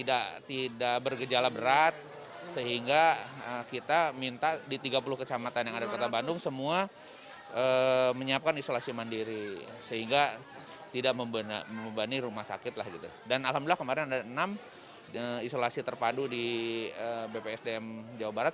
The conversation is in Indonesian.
dan alhamdulillah kemarin ada enam isolasi terpadu di bpsdm jawa barat